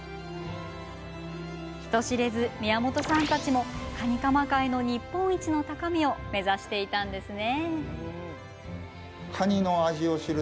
人知れず、宮本さんたちもカニカマ界の日本一の高みを目指していたんですね。